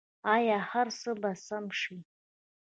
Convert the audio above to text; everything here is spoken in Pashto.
آیا هر څه به سم شي؟